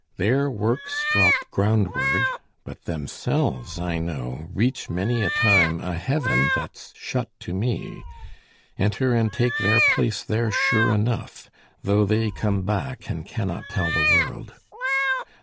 Their works drop groundward, but themselves, I know, Reach many a time a heaven that's shut to me, Enter and take their place there sure enough, Though they come back and cannot tell the world.